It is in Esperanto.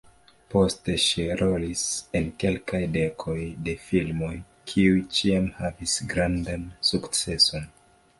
Poste ŝi rolis en kelkaj dekoj de filmoj, kiuj ĉiam havis grandan sukceson.